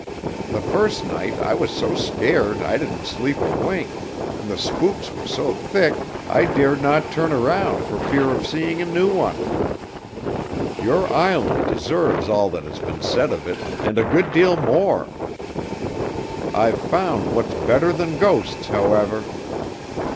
The first night I was so scared I didn't sleep a wink, and the spooks were so thick I dared not turn around for fear of seeing a new one. Your island deserves all that has been said of it, and a good deal more. I've found what's better than ghosts, however!"